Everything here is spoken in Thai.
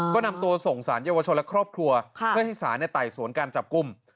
ก็นำตัวส่งสารเยาวชนและครอบครัวเพื่อให้สารไต่สวนการจับกลุ่ม